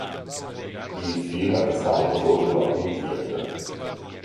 Il film è stato prodotto da Tim Kirk.